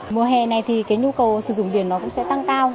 mùa hè này thì cái nhu cầu sử dụng điện nó cũng sẽ tăng cao